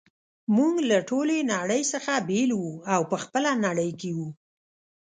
موږ له ټولې نړۍ څخه بیل وو او په خپله نړۍ کي وو.